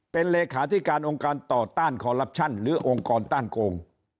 เป็นเลขาธิการองค์การต่อต้านคอลลับชั่นหรือองค์กรต้านโกง